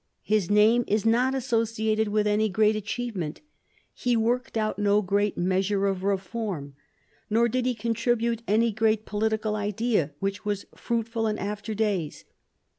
His name is not associated with any great achievement, he worked out no great measure of reform, nor did he contribute any great political idea which was fruitful in after days.